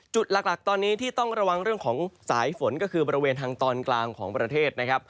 จุดหลักตอนนี้ที่ต้องระวังเรื่องของสายฝนก็คือบริเวณทางตอนกลางของประเทศนะครับ